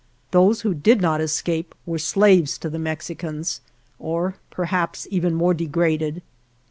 Those who did not escape were slaves to the Mex icans, or perhaps even more degraded.